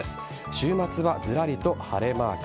週末は、ずらりと晴れマーク。